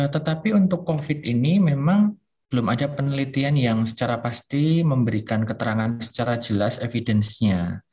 tetapi untuk covid ini memang belum ada penelitian yang secara pasti memberikan keterangan secara jelas evidence nya